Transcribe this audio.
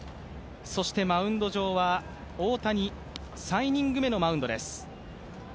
マウンド上は大谷、３イニング目のマウンドです。